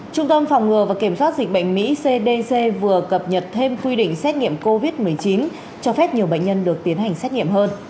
trung tâm phòng ngừa và kiểm soát dịch bệnh mỹ cdc vừa cập nhật thêm quy định xét nghiệm covid một mươi chín cho phép nhiều bệnh nhân được tiến hành xét nghiệm hơn